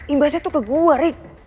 imbasnya tuh ke gue rik